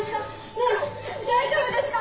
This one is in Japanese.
ねえ大丈夫ですか？